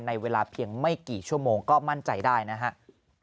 ในเวลาเพียงไม่กี่ชั่วโมงก็มั่นใจได้นะครับ